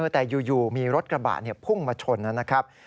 แต่อยู่มีรถกระบะพุ่งมาชนนะครับ